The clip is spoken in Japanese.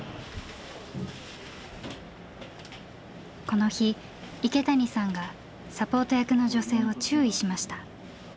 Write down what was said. この日池谷さんがサポート役の女性を注意しました。